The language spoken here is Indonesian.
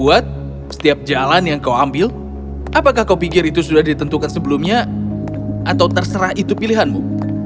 atau terserah itu pilihanmu